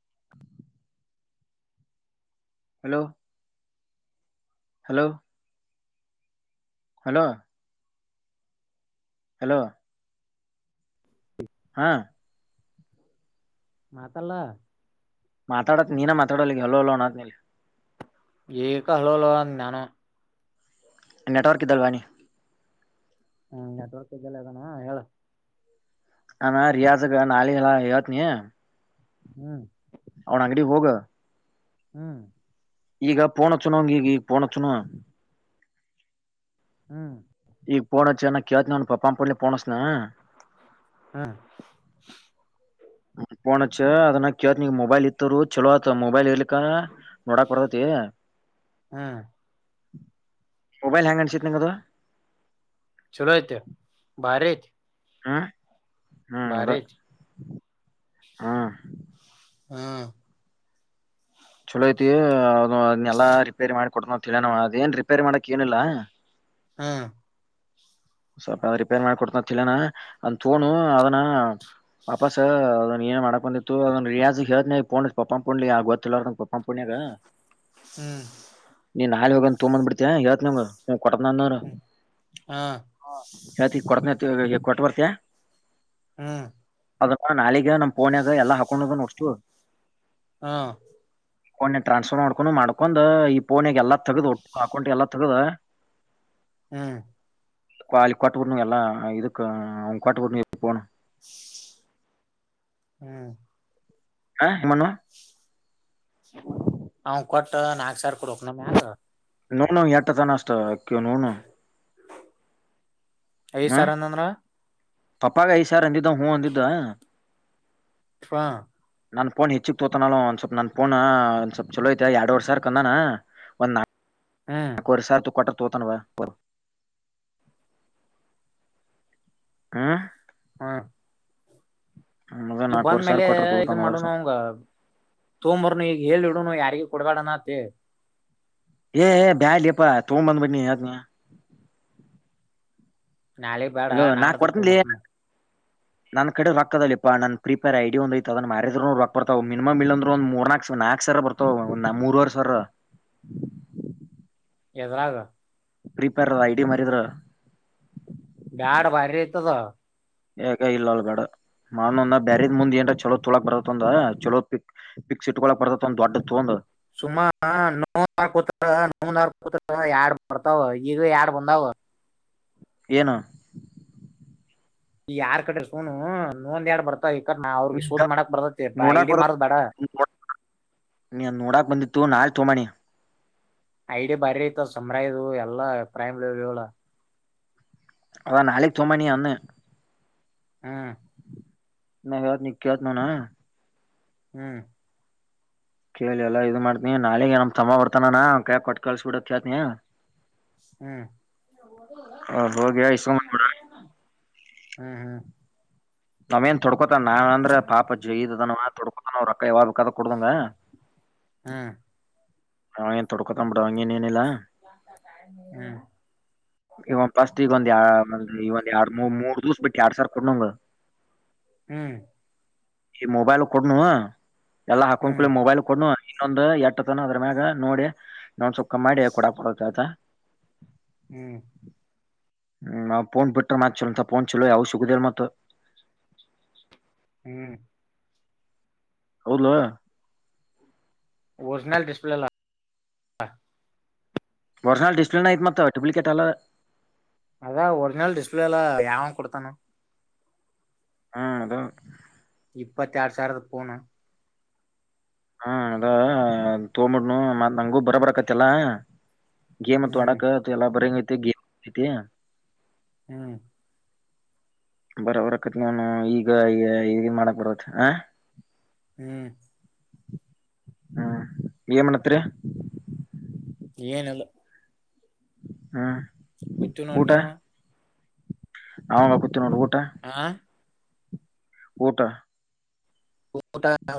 [unintelligible] Hello? [unintelligible] Hello? [unintelligible] Hello? [unintelligible] Hello? [unintelligible] ಹಾ [unintelligible] ಮಾತಲ್ಲ? [unintelligible] ಮಾತಾಡತ್ ನೀನ ಮಾತಾಡವಲ್ಲಿ ಹೆಲೋ ಹೆಲೋ ಅನ್ನತೀನಿ ಏ ಹೆಲೋ ಹೆಲೋ ಅಂದೆ ನಾನು ನೆಟ್ವರ್ಕ್ ಇದಲ್ಲಿ ಬಾ ಲೆ ಹ್ಮ ತೊರ್ಕಿದ್ದಲ್ಲ ಅದಾನ ಹೇಳ ಅ ರಿಯಾಜ ನಾಳೆ ಎಲ್ಲಾ ಹೆಲ್ ನೀ ಹ್ಮ್ ಅವನ ಅಂಗಡಿ ಹೋಗ ಹ್ಮ್ ಈಗ ಪೋನ ಹೆಚ್ಚಿನ ಹಂಗ ಈಗ ಈಗ ಪೋನ ಚುನ ಹ್ಮ್ ಬಂದ ಕೂಡಲೇ ಫೋನ್ ಹಚ್ತೀನಿ ಹಾ ಹ ಪೋಚ್ಚ ಅದನ್ನ ಕವ ನಿಗ್ ಮೊಬೈಲ್ ಇತ್ತವರು ಚಲೋ ಆತ ಮೊಬೈಲ್ ಇರ್ಲಿಕ್ಕ ನೋಡಾಕ್ ಬರ ತ್ತ ಹ್ಮ ಮೊಬೈಲ್ ಹೆ್ಯಾಂಗ್ ಅನ್ಸತ್ ನಂಗದು ಚಲೋ ಐತೆ ಭಾರಿ ಐತಿ ಹ್ಮ ಹ್ಮ್ ಭಾರಿ ಅದು ಐತಿ ಹ್ಮ ಹ್ಮ ಚಲೋ ಐತಿ ಅದ್ಲ್ಲಾ ರಿಪೇರ್ ಮಾಡ ಕೊಡ್ ನಾವವು ಅಂತ ಹೆಲನ್ ಅವ ಅದ ಏನ್ ರಿಪೇರ್ ಮಾಡಕ್ ಏನಿಲ್ಲಾ ಹಾ ಸ್ವಲ್ಪ ಅ ರಿಪೇರ್ ಮಾಡಿ ಕೊಡ್ನ ತಿಲನ ಅಂದ ತೋೊಂಡು ಅದನ ವಾಪಸ್ ಅದನ್ ಏನ್ ಮಾಡ ಬಂದಿತ್ತು ಅದ್ ರಿಯಾಜ ಹದ್ನೆ ಪೋ ಪಪ್ಪ ಪು್ಲಿ ಆಗ ಗೊತ್ತಿಲ್ಲಾರದ ಪಪಾ ಪುಣ್ಯಾಗ ಹ್ಮ್ ನೀನ್ ನಾಳೆ ಹೋಗ ತಗಂದ್ ಬಿಡ್ತ ಯವತ್ ನಿಮ ಕೊಡಕ್ನಂದರು ಹ್ಮ್ ಹಾ ಹೇಳ್ತಿ ಕೊಡನ ಕೊಟ್ಟ ಬರ್ತಯ ಹ್ಮ್ ಅದ ನಾಾಲಿಗೆಗ ನಮ್ ಪೋನ್ಾಗ ಎಲ್ಲ ಹಾಕೊಂಡದ ಹೋಸ್ಟ್ ಹಾ ಫೋನ್ ಟ್ರಾನ್ಸ್ಫರ್ ಮಾಡ್ಕೊಂಡು ಮಾಡ್ಕೊಂಡ್ ಈಫೋನ್ಗೆ ಎಲ್ಲ ತಗ್ದ್ ಒಟ್ಟು ಅಕೌಂಟ್ಗೆಲ್ಲ ತಗ್ದ [unintelligible] ಹ್ಮ್ ಕಾಲಿ ಕೋಟ ಬೂರ್ಣ ಎಲ್ಲಾ ಇದುಕ್ಕ ಅವನ್ ಕೋಟ ೂರ್ಣ ಎಲ್ಲಿಬನು ಹ್ಮ್ ಹಾ ಮನ ಹ ಕಟ್ಟ ನಾಗ ಸಾರಕು ರೋಕನ ಮತ ನೋನು ಎಟ ಜಾನಷ್ಟ ನೋನು ಅಯ್ಯ ಹಾ ಸರ್ ಅನ್ನಂದ್ರ. ಪಪ್ಪಾಗ ಐದ ಸಾವಿರ ಅಂದಿದ್ದ ಹೂ ಅಂದಿದ್ದ. [unintelligible] ನನ್ ಪೋನ್ ಹೆಿಗ್ ತೋತನಾನ ಒಂದ ಸ್ವಲ್ಪ ನನ್ ಫೋ ಒಂದ ಸ್ವಪ ಚಲೋಐತೆ ಎಡ್ಡುವರ್ ಸ ಕ ಒಂದ ನ ಕೊರಿ ಸಾರ ತು ಕೊಟ್ಟ ತೋತನ್ ವ ಕೊರು ಹಾ ಹಾ ಮಗ ಈ ನಾಲ್ಕುವರೆ ಸಾವಿರ ಬಂದ್ಮೇಲೆ ಕೊಟ್ರ ಇದ ತೋತಾನ ಮಾಡ ವರ್ಷ ನಂಗ ತೋಮರ್ನು ಈಗ ಹೇಳಿ ಹ ಯಾರಗ ಕೊಡಬಾಡನ ಏ ಬ್ಯಲ್ಲಿಪ್ಪಾ ತು ಬಂದ ಬ ನೀ ಯ್ದ ನೀ ನಾಳೆಗ್ ಬೇಡ ನಾಡ ಕೊಡ್ತನ್ಲಿ ತಪ್ಪೊಂಬರ್ತನ [unintelligible] ನನ್ ಕಡೆ ರೊಕ್ಕ ಅದಾವಲೆಪಾ ನನ್ ಪ್ರೀಪೇರ್ ಐಡಿ ಒಂದ ಆಯ್ತಿ ಅದನ್ ಮಾರಿದ್ರು ರೊಕ್ಕ ಬರ್ತವೆ ಮಿನಿಮಮ್ ಇಲ್ಲಂದ್ರು ಒಂದ ಮೂರನಾಲ್ಕು ನಾಲ್ಕ ಸಾವಿರ ಬರ್ತಾವ ಒಂದ ಮೂರುವರೆ ಸಾವಿರ. ಎದ್ರಾಗ್. ಫ್ರೀಫೈರ್ ಐಡಿ ಮಾರಿದ್ರ - ಬ್ಯಾಡ ಬಾರಿ ಆಯ್ತಿ ಅದ. ಯಾಗ ಇಲ್ಲ ಅಲ್ ಬೇಡ ಮಾಡುನ ಬ್ಯಾರದ್ ಮುಂದ್ ಏನ್ರ ಚಲೋ ತೊಗೊಳಾಕ್ ಬರತೈತಿ ಒಂದ ಚಲೋ ಪಕ್ ಫಿಕ್ಸ್ ಇಟ್ಟಕೋಲಾಕ್ ಬರ್ತೇತಿ ಒಂದು ದೊಡ್ಡ ತೊಗೊಂಡ. ಸುಮ್ಮ ನಿನ್ ಒಂದ್ ಆರ ಕೊಟ್ರ ನಾ ಒಂದ ಆರ್ ಕೊಟ್ರಾ ಎರಡ್ ಬರ್ತಾವ ಈಗ ಯಾಡ ಬಂದಾವ. ಏನು? ಯಾರ್ ಕಡೇರ ತೊಗೊಲುನು ಇನ್ನೊಂದ್ ಎರಡ್ ಬರ್ತ ಹಿಕ್ಕಟ್ ನಾವ್ ಅವ್ರಿಗೆ ಸುದ್ದ ಮಾಡಕ್ ಬರ್ತೇತಿ ನೋಡಾಕ್ ಐಡ ಬರ ಮಾರೋದ ಬೇಡ. ನೀ ನೋಡಾಕ್ ಬಂದಿತ್ತು ನಾಳೆ ತೊಗೊಂಡ ಬಾ ನೀ. ಐಡಿ ಬಾರಿ ಐತ ಸಮ್ರಯಿ ಇದು ಎಲ್ಲಾ ಪ್ರೈಮ್ ಲೆವೆಲ್ ಅ ನಾಳೆಗೆ ತೊಗೊಂಡ ಬಾ ಅನ್ನಿ. ಹ್ಮ ನಾ ಹೇಳ್ತೀನಿ ಈಗ ಕೇಳ್ತನ ಅವ್ನ ಹ್ಮ್ ಕೇಳಿ ಎಲ್ಲಾ ಇದು ಮಾಡ್ತನಿ ನಾಳೆಗೆ ನಮ್ ತಮ್ಮ ಬರ್ತಾನ ಅಣ್ಣ ಅವ್ನ ಕೈಯಾಗ ಕೊಟ್ಟ ಕಳ್ಸಿ ಬಿಡ ಅಂತ ಹೇಳ್ತೀನಿ. ಹ್ಮ ಹ್ಮ್ ಅವ್ರ್ ಹೋಗಿ ಇಸ್ಕೊಂಡ್ ಹ್ಮ್ ಅವೇನ್ ತೊಡ್ಕೋತಾನ ನಾನ್ಂದ್ರ ಪಾಪ ಜಯ ಅದನ್ ಅವ ತೊಡ್ಕೋತಾನ ರೊಕ್ಕ ಯಾವಾಗ ರೊಕ್ಕ ಅದು ಕೊಡದಂಗ ಹ್ಮ್ ಹ್ಮ್ ಅವ ಏನ್ ತಡ್ಕೋತಾನ್ ಬಿಡ ಹಂಗೆನ್ ಏನ್ ಇಲ್ಲ. ಹ್ಮ್ ಈ ಒಂದ ಫಸ್ಟ್ ಒಂದ ಎರಡ ಎರಡು ಮೂ ಮೂರ [inaudible] ಬಿಟ್ಟ ಯಾಡ್ ಸಾವಿರ ಕೊಡೋಣ ಅವಂಗ. ಹ್ಮ್ ಈ ಮೊಬೈಲ್ ಕೊಡುನು ಎಲ್ಲಾ ಹಾಕೊಂಡ್ ಹ್ಮ್ ಕೂಳೆ ಮೊಬೈಲ್ ಕೊಡುನು ಇನ್ನೊಂದು ಎಟ್ಟ ಅದ ಏನ್ ಅದ್ರ ಮ್ಯಾಗ ಈಗ ನೋಡಿ ಇನ್ನೊಂದ ಸ್ವಲ್ಪ ಕಮ್ಮ ಮಾಡಿ ಕೊಡಾಕ್ ಬರ್ತೇತಿ ಆತಾ. ಹ್ಮ್ ಹ್ಮ ಅವ್ನ ಪೋನ್ ಬಿಟ್ಟರ ಮತ್ತ ಚಲೋ ಚಲೋತಂಗಿ ಯಾವು ಫೋನ್ ಸಿಗೋದೇ ಇಲ್ಲ ಮತ್. ಹ್ಮ್ ಹೌದ್ಲೋ. ಓರಿಜಿನಲ್ ಡಿಸ್ಪ್ಲೇಲಾ ಒರಿಜಿನಲ್ ಡಿಸ್ಪ್ಲೇನ ಐತಿ ಮತ್ತ ಡೂಪ್ಲಿಕೇಟ್ ಅಲ್ಲ. ಅದ ಒರಿಜಿನಲ್ ಡಿಸ್ಪ್ಲೇಲಾ ಯಾವ ಕೊಡ್ತಾನು. ಹ್ಮ್ ಅದು. ಇಪ್ಪತ್ತ ಎರಡ್ ಸಾವಿರದ ಪೋನ್. ಹಾ ಅದ ತೊಗಂಬಿಡ್ನು ಮತ್ ನಂಗೂ ಬರಾಬರಕತ್ತೆಲ್ಲ. ಗೇಮ್ ಅಂತು ಹ್ಮ್ ಆಡಕ ಎಲ್ಲ ಬರಂಗ ಐತಿ ಗೇಮ್ ಐತಿ ಹ್ಮ್. ಬರಾಬ್ಬರಕತ್ ನೋಡು ಈಗ ಇ ಮಾಡಕ್ ಬರತ್ ಹಾ ಹ್ಮ್ ಹ್ಮ್ ಏನ್ ಮಾಡಾತೇರಿ. ಏನಿಲ್ಲ. ಹಾ ಕುಂತೀವಿ ನೋಡ ನೀವ. ನಾವು ಹಂಗ ಕುಂತೇವ್ ನೋಡ ಊಟ ಹಾ ಊಟ- ಊಟ [inaudible]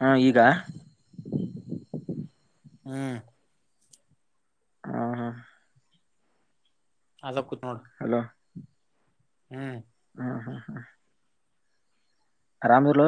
ಹಾ ಈಗ. ಹ್ಮ. ಹಾ ಹಾ. ಅಲ್ಲ ಕು ಹಲೋ ಹ್ಮ್. ಹ್ಮ ಹೂಂ ಹೂಂ. ಅರಾಮಿರ್ಲೋ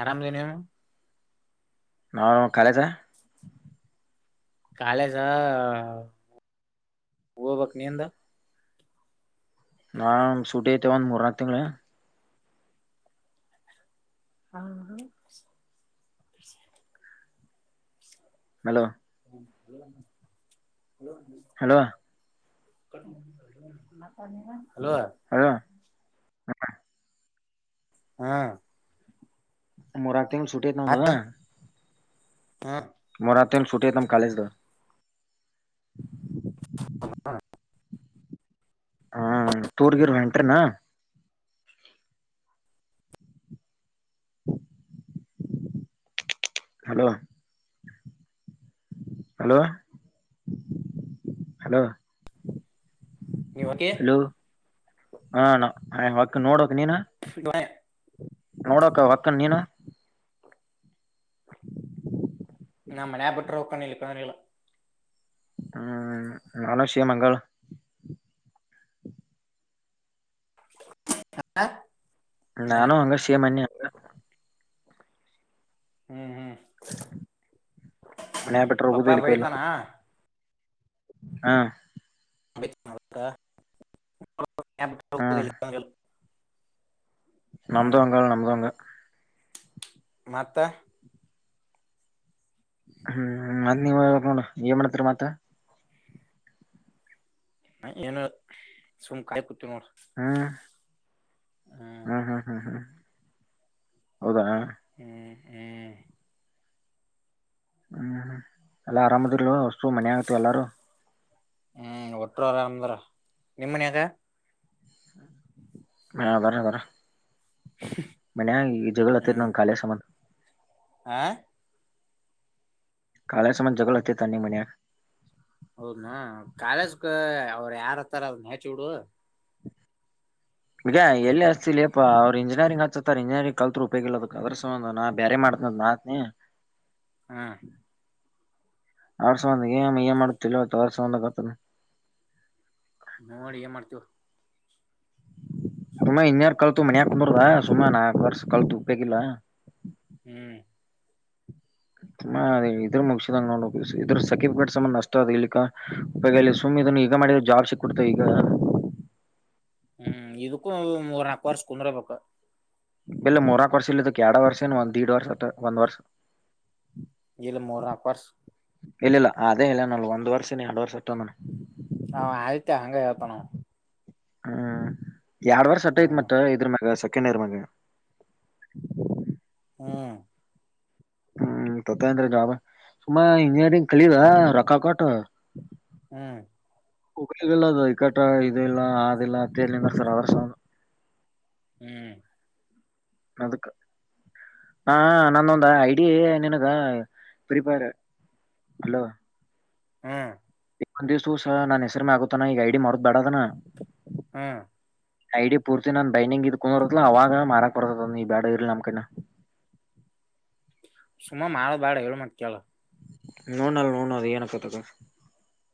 ಆರಾಮದನಿ ನೀನು ನಾವ ಕಾಲೇಜ ಕಾಲೇಜ ಹೋಬಕ್ ನಿಂದ ನಾನ್ ಸೂಟೀ ಐತಿ ಒಂದ್ ಮೂರ್ನಾಲ್ಕ ತಿಂಗ್ಳ ಆ ಹಾ ಹಲೋ [unintelligible] ಹಲೋ [unintelligible] ಹಲೋ [unintelligible] ಹಾ. ಮೂರ್ನಾಲ್ಕ ತಿಂಗ್ಳು ಸೂಟೀ ಐತಿ ನಂದು ಹಾ ಸೂಟಿ ಐತ್ ನಮ್ ಕಾಲೇಜ್ದು [inaudible] ಹ್ಮ್ ಟೂರ್ಗಿರ ಹೊಂಟ್ರಿನ ಹಲೋ ಹಲೋ ಹಲೋ ನೀವ್ ಹೋಗಿ ಹಲೋ ಹಾ ನ ವಕ್ ನೋಡ್ಬಕ ನೀನ [unintelligible] ನೋಡಕ ಹೊಕ್ಕನ್ ನೀನು ನಮ್ಮ್ ಮನ್ಯಾಗ ಬಿಟ್ಟರ ಹೊಕ್ಕಿನಿ ಇಲ್ಲಿಕಂದ್ರ್ ಇಲ್ಲ ಹ್ಮ್ ನಾನು ಷೇಮ್ ಹಂಗಳ್ [unintelligible] ಹಾ ನಾನು ಹಂಗ ಶೇಮಂದ್ಣಿ ಹ್ಮ್ ಹ್ಮ್ ಮನ್ಯ ಬಿಟ್ರ ಹೋಗುದು ಪಪ್ಪಾ ಇಲ್ ಕೈಲ್ಲ ಬೈತಾನ ಹಾ. ಹ್ಮ್ [unintelligible] ನಮ್ದೂ ಹ್ಮ್ ಹಂಗದ ನಮ್ದೂ ಹಂಗ ಮತ್ತ ಹ್ಮ್ ಮತ್ ನೀವ ಹೇಳ್ಬೇಕ ನೋಡ ಏನ್ ಮಾಡತ್ರಿ ಮತ್ತ ಏನು ಇಲ್ಲ ಸುಮ್ ಕಾಲಿ ಕು ತುರ್ ಹ್ಮ್ [unintelligible] ಹ್ಮ್ ಹೌದಾ ಹ್ಮ್ ಹ್ಮ್. ಹ್ಮ್ ಹ್ಮ್ ಎಲ್ಲ ಆರಾಮದಿರಿಲ್ಲೋ ಅಷ್ಟ್ರೂ ಮನ್ಯಾಗಂತು ಎಲ್ಲಾರೂ. ಹ್ಮ್ ಒಟ್ಟುರು ಆರಾಮದ್ರ ನಿಮ್ಮ ಮನ್ಯಾಗ ಹಾ ಬರ ಬರ ಮನ್ಯಾಗ ಈಗ ಜಗಳ ಹತ್ತೇತಿ ಹ್ಮ್ ನಮ್ ಕಾಲೇಜ್ ಸಮಾಂದ ಆ ಕಾಲೇಜ್ ಸಮಾಂದ ಜಗಳ ಹತ್ತೇತಿ ಅಂದ್ನಿ ಮನ್ಯಾಗ ಹೌದ್ನ ಕಾಲೇಜ್ ಕ ಅವರು ಯಾರ್ ಅಂತ್ತಾರ ಅದನ್ನ ಹಚ್ಚಿ ಬಿಡು ಈಗ ಎಲ್ಲಿ ಅರ್ಸ್ತಿ ಅಪ್ಪಪ ಅವರು ಇಂಜಿನಿಯರಿಂಗ್ ಹಸತ ಇಂಜಿನಿಯರಿಂಗ್ ಕಲ್ತ್ರು ಉಪೋಗಿಲ್ಲದ ಅದ್ರ ಸಂಬಧ ನಾ ಬೇರೆ ಮಾಡ ನಾತ್ ನೀ ಹಾ ಆಡ್ಸಂದ ಏ ಏ ಮಾಡುತ್ತಲ್ಲತ್ತು ಆರ್ಸಂದಾಗ ಆತ ನೋಡಿ ಏನ್ ಮಾಡ್ತೀವ ಸುಮಾ ಇನ್ಯಾರ್ ಕಳ್ತು ಮನ್ ಹಾಕಂದ್ರದ ಸುಮಾ ನಾಕ ಕರ್ಸ ಕಲ್ತು ಉೇಕಿಲ್ಲ ಹ್ಮ್ ಹಾ ಅದೇ ಇದ್ರ ಮುಗಿಸಿದಂ ನೋ ಉ ಇದ್ರ ಸರ್ಕಿಫಿಕಟ್ ಸಮನ್ ನಷ್ಟ ಅದ ಇಲ್ಲಿ ಉಪ ಸುಮ್ನೆ ಇದನ್ನು ಈಗ ಮಾಡಿದ ಜಾರ್ ಸಿಕ್ ಕೊಡ್ತ ಈಗ ಹ್ಮ್ ಇದಕ್ಕೂ ಮೂರ್ ನಾಲ್ಕು ವರ್ಷ ಕುಂದ್ರಬೇಕು ಬೆಲ್ಲ ಮೂರಾಕ ವರ್ಷ ಇಲ್ಲಿದ್ದಕ್ಕೆ ಎರಡ ವರ್ಷಏನು ಒಂದ್ಡ್ ವರ್ಷ ಅ ಒಂದ್ ವರ್ಷ ಇಳ ಮೂರು ನ ಪರ್ಸ್ ಇಲ್ಲಿಲ್ಲ ಅದೇ ಇಲ್ಲ ನೋ ಒಂದ ವರ್ಷನ ಎರಡ್ ವರ್ಷ ಇಂದ ಹ್ಮ್ ಹ್ಮ್ ಎರಡ್ ವರ್ ಸತ್ತ ಐತ್ ಹ್ಮ್ ಮತ್ತ ಇದ್ರ ಮಾಗ ಸ ಕೆನರಮ ಹ್ಮ್ ಹ್ಮ್ ತತ್ತಂದ್ರ ಜಾಬ ಸುಮಾ ಇಂಜಿನಿಯರಿಂಗ್ ಕಲೀದ ರೊಕ್ಕ ಕೊಟ್ ಹ್ಮ್ ಹಲ್ಲದು ಇಕಟ ಇ ಇಲ್ಲ ಆದಿಲ್ಲ ಅಂತೇ ನಿ ಸರ್ ಅವರ್ಷ ಒ ಹ್ಮ್ ಅದಕ್ಕೆ ಹಾ ನನ್ನೊಂದ ಐಡಿಯ ನಿನಗ ಪ್ರಿಪೇರ್ ಹಲೋ ಹ್ಮ್ ಒಂದ ದಿವ್ಸ ಸ ನಾನ್ ಹೆಸರಿಮ ಆಗತಾನ ಈಗ ಐಡಿ ಮಾಡೋದ್ ಬೇಡದನ ಹಾ ಐಡಿಯಾ ಪೂರ್ತಿ ನಾನ್ ಡೈನಿಂಗ್ ಇದ್ ಕುಂದರತ್ತ ಅವಾಗ ಮಾರಾಕ್ ಬರ್ತದ ನೀ ಬೇಡ ಇರ್ಲಿ ನಮ್ ಕೈನಾ ಸುಮ ಮಾಡ ಬಾಡ ಹೇಳಳ್ ಮಕಲ್ಲ ನೋ ನಲ್ಲ ನೋಣ ಅದ ನ ಕತಕ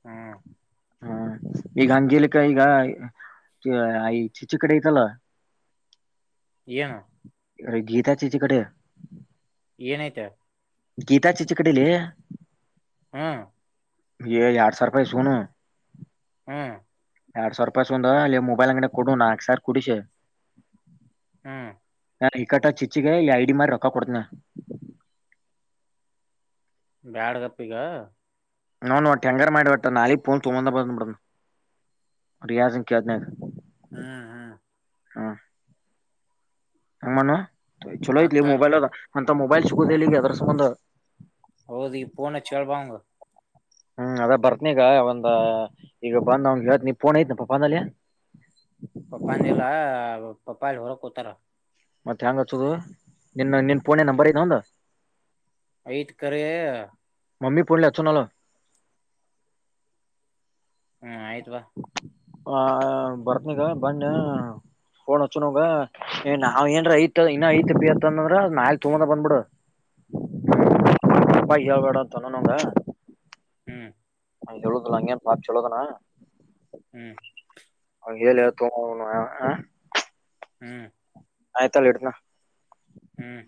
ಹ್ಮ ಹಾ ಈಗ ಅಜೇಲಿಕ ಈಗ ಚಿಚು ಕಡೆ ಐತಲ್ಲ ನು ಅ ಗೀತ ಚ ಇಚ ಕಡೆ ನತ ಗೀತಾ ಚಿಚ ಕಡಿಲಿ ಹಾ ಎಯ್ ಯಾಡ್ ಸಾವಿರ ರೂಪಾಯಿ ಇಸ್ಕೊನು ಹ್ಮ್ ಎರಡ್ ಸಾವಿ ರೂಪಾಯ್ ಇಸ್ಕೊಂದು ಅಲ್ಲಿ ಮೊಬೈಲ್ ಅಂಗಡ ಕೊಡು ನಾಕ್ ಸಾವಿರ್ ಕುಡ್ಸಿ ಹ್ಮ್ ನ ಇಕಟ್ಟ ಚಿಚ್ಚಿಗೆ ಇಲ್ಲಿ ಐಡಿ ಮಾರಿ ರೊಕ್ಕ ಕೊಡತನ ಬ್ಯಾಡಗಪ್ಪಿಕ ನೋ ನೋ ಟ್ಯಾಂಗರ್ ಮಾಡಿಬಟ್ಟ ನಾಲಿ ಪೋನ್ ತುಂಬಂದ ಬಂದ್ ಬಿಿಡ ರಿಯಾಜಂ ಕದಿನ ಹ್ಮ್ ಹ್ಮ್ ಹ್ಮ ಹಮ್ಮಾನ ಚಲೋ ಯತ್ಲಿ ಮತ್ತ ಮೊಬೈಲ್ ಅದ ಅಂತ ಮೊಬೈಲ್ ಸಿಗುದ ಇಲ್ಲಿ ಈಗೆ ಅದ್ರ ಸಂಬಂಧ ಹೌದೀ ಪಣ ಚಳ ಪಾಂಗ ಹ್ಮ್ ಅದ ಬರ್ತ್ನೀಗ ಒಂದ ಈಗ ಬಂದಂಗ ಇವತ್ ನಿ ಪೋನ್ ಐತ್ನಪ್ಪ ಪಂದಲ್ಲಿ ಹ ಪಪ್ಪಾ ಎಲ್ಲಿ ಹೊರಕೋತಾರ ಮತ್ತ ಹೆಂಗ್ ಹಚ್ಚೋದು ನಿನ್ನ ನಿನ್ ಪೋನ್ಯಾಗ್ ನಂಬರ್ ಇದ್ ಅವನ್ದು ಐತ್ ಕರೆ ಮಮ್ಮಿ ಫೋನೇಲೇ ಅಚ್ಚಣಲ್ಲ ಹ್ಮ್ ಆಯಿತ್ ಬಾ ಹ ಬರ್ತಿಗ ಬಂದ ಫೋನ್ ಹಚ್ಚು ನೋಗ ನಾವ್ ಏನ್ರ ಐತ್ ಇನ್ನ ಐತ್ ಬಿತ್ತ ಅಂದ್ರ ನಾಳಿ ತಕೊಂದು ಬಂದಬಿಡು [inaudible] ಹಾ ಅಪ್ಪಗೆ ಹೇಳ್ಬೇಡ ಅಂತ ತನ್ನನುಂಗ ಹ್ಮ್ ಹಂಗ್ ಹೇಳುದ್ಲು ಅಂಗೇನ್ [unintelligible] ಚಲೋದನ ಹ್ಮ್ [unintelligible] ಹ್ಮ್ ಆಯ್ತಲ್ಲ ಇಡ್ನ ಹ್ಮ್